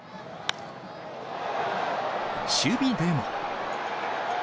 守備でも。